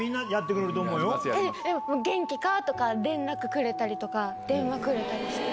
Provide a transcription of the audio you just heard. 元気か？とか連絡くれたりとか、電話くれたりして。